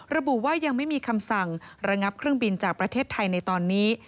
ระบุว่ายังไม่มีคำสั่งระงับเครื่องบินจากประเทศไทยในตอนนี้